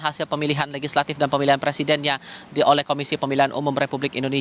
ada pemilihan legislatif dan pemilihan presiden yang diolah komisi pemilihan umum ri